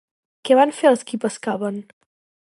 Què van fer els qui pescaven?